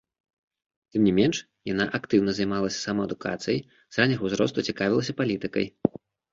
Тым не менш, яна актыўна займалася самаадукацыяй, з ранняга ўзросту цікавілася палітыкай.